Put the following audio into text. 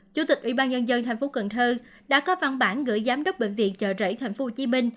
chủ tịch ủy ban nhân dân thành phố cần thơ đã có văn bản gửi giám đốc bệnh viện chợ rẫy tp hcm